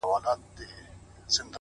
• څه د خانانو, عزیزانو څه دربار مېلمانه,